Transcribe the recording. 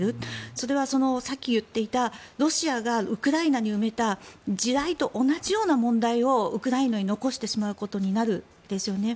それは、さっき言っていたロシアがウクライナに埋めた地雷と同じような問題をウクライナに残してしまうことになるんですよね。